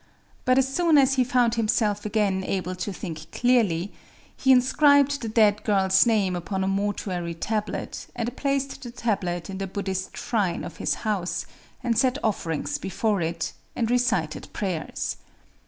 But as soon as he found himself again able to think clearly, he inscribed the dead girl's name upon a mortuary tablet, and placed the tablet in the Buddhist shrine of his house, and set offerings before it, and recited prayers.